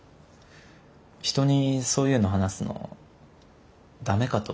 人にそういうの話すのダメかと。